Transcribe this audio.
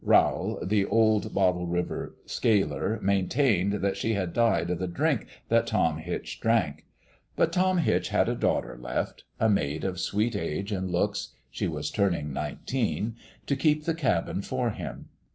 Rowl, the old Bottle River sealer, maintained that she had died of the drink that Tom Hitch drank. But Tom Hitch had a daughter left a maid of sweet age and looks she was turning nineteen to keep the cabin for him.